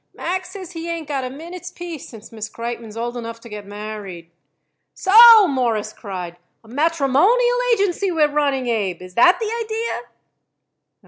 "Max says he ain't got a minute's peace since Miss Kreitmann is old enough to get married." "So!" Morris cried. "A matrimonial agency we're running, Abe. Is that the idea?"